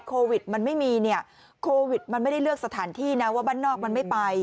โควิดมันไม่มีเนี่ยโควิดมันไม่ได้เลือกสถานที่นะว่าบ้านนอกมันไม่ไป